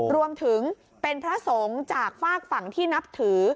รวมถึงเป็นพระสงฆ์จากฝากฝั่งที่นับถือ